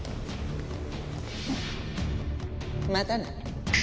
またな。